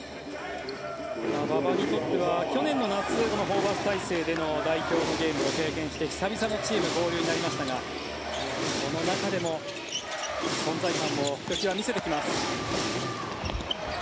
馬場にとっては去年の夏ホーバス体制での代表のゲームを経験して久々のチーム合流になりましたがその中でも存在感もひときわ見せてきます。